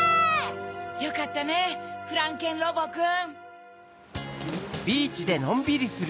よかったねフランケンロボくん。